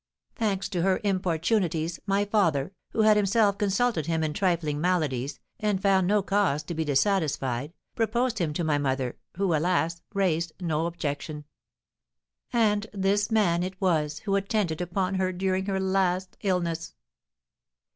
Thanks to her importunities, my father, who had himself consulted him in trifling maladies, and found no cause to be dissatisfied, proposed him to my mother, who, alas, raised no objection. And this man it was who attended upon her during her last illness."